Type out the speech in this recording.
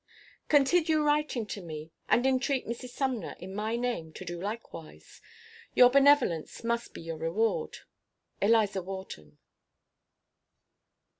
Continue writing to me, and entreat Mrs. Sumner, in my name, to do likewise. Your benevolence must be your reward. ELIZA WHARTON.